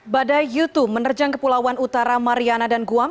bada yutu menerjang ke pulauan utara mariana dan guam